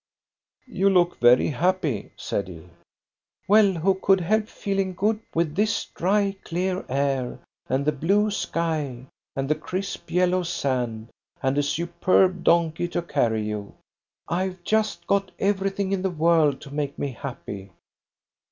"You look very happy," said he. "Well, who could help feeling good with this dry, clear air, and the blue sky, and the crisp yellow sand, and a superb donkey to carry you? I've just got everything in the world to make me happy."